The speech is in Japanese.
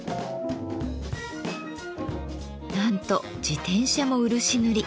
なんと自転車も漆塗り。